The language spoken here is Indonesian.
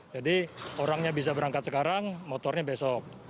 jadi orangnya bisa berangkat sekarang motornya besok